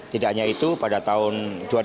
tidak hanya itu pada tahun dua ribu tujuh belas